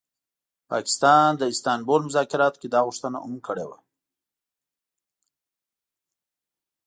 پاکستان د استانبول مذاکراتو کي دا غوښتنه هم کړې وه